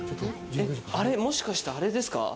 あれもしかして、アレですか？